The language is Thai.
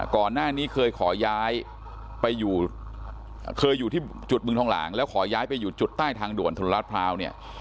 ก่อนหน้านี้เคยขอย้ายไปอยู่เคยอยู่ที่จุดบึงทองหลางแล้วขอย้ายไปอยู่จุดใต้ทางด่วนถนนรัฐพร้าวเนี่ย